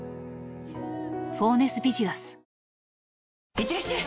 いってらっしゃい！